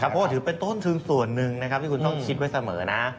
เพราะถือเป็นต้นทึงส่วนหนึ่งที่คุณต้องคิดไว้เสมอนะ